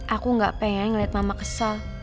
aku gak pengen ngeliat mama kesal